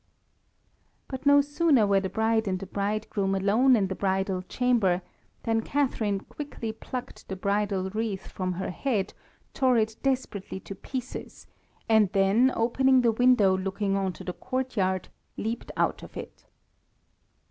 But no sooner were the bride and the bridegroom alone in the bridal chamber than Catharine quickly plucked the bridal wreath from her head, tore it desperately to pieces, and then, opening the window looking on to the courtyard, leaped out of it.